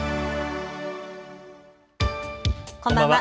こんばんは。